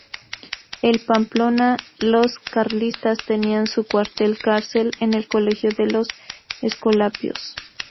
En Pamplona los carlistas tenían su cuartel-cárcel en el colegio de los Escolapios.